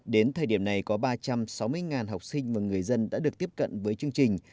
đến thời điểm này có ba trăm sáu mươi học sinh và người dân đã được tiếp cận với chương trình